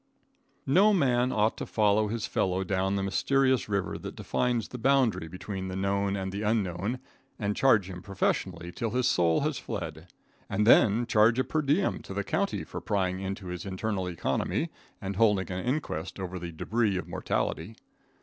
No man ought to follow his fellow down the mysterious river that defines the boundary between the known and the unknown, and charge him professionally till his soul has fled, and then charge a per diem to the county for prying into his internal economy and holding an inquest over the debris of mortality.